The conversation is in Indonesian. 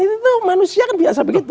itu manusia kan biasa begitu